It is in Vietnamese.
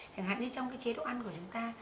chẳng hạn như trong cái chế độ ăn của chúng ta